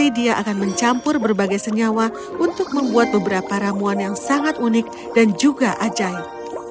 dan mencampur berbagai senyawa untuk membuat beberapa ramuan yang sangat unik dan juga ajaib